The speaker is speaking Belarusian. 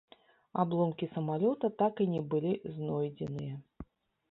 Абломкі самалёта так і не былі знойдзеныя.